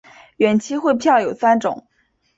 远期汇票有三种。